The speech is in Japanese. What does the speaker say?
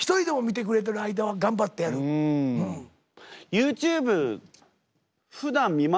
ＹｏｕＴｕｂｅふだん見ませんか？